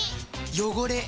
汚れ。